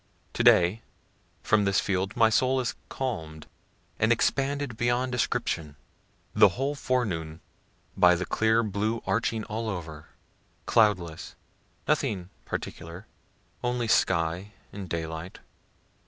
To day from this field my soul is calm'd and expanded beyond description, the whole forenoon by the clear blue arching over all, cloudless, nothing particular, only sky and daylight.